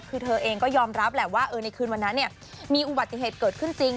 คือเธอเองก็ยอมรับแหละว่าในคืนวันนั้นมีอุบัติเหตุเกิดขึ้นจริง